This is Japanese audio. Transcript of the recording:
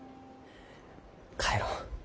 帰ろう。